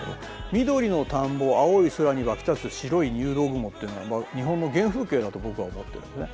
緑の田んぼ青い空に湧き立つ白い入道雲っていうのは日本の原風景だと僕は思ってるんですね。